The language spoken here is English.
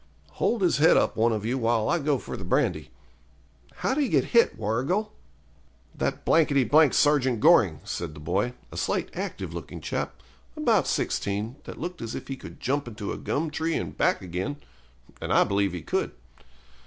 'Hold his head up one of you while I go for the brandy. How did he get hit, Warrigal?' 'That Sergeant Goring,' said the boy, a slight, active looking chap, about sixteen, that looked as if he could jump into a gum tree and back again, and I believe he could.